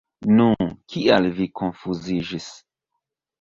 Nu, kial vi konfuziĝis?